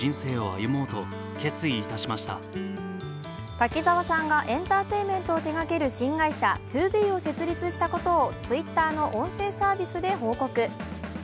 滝沢さんがエンターテインメントを手がける新会社、ＴＯＢＥを設立したことをＴｗｉｔｔｅｒの音声サービスで報告。